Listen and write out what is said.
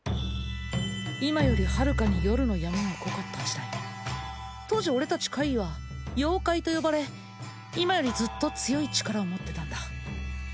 今よりはるかに夜の闇が濃かった時代当時俺達怪異は妖怪と呼ばれ今よりずっと強い力を持ってたんだ